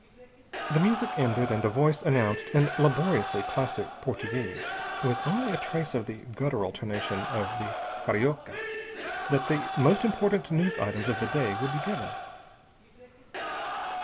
The music ended, and a voice announced in laboriously classic Portuguese, with only a trace of the guttural tonation of the carioca, that the most important news items of the day would be given.